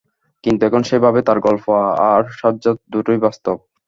কিন্তু এখন সে ভাবে, তার গল্প আর সাজ্জাদ, দুটোই বাস্তব।